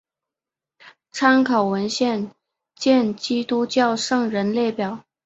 参考文献见基督教圣人列表。